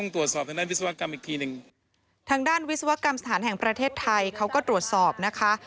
ทางด้านวิศวกรรมสถานห์แห่งประเทศไทยครับก็ตรวจสอบนะคะ